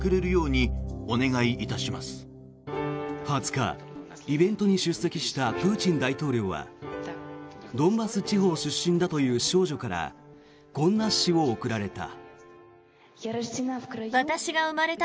２０日、イベントに出席したプーチン大統領はドンバス地方出身だという少女からこんな詩を送られた。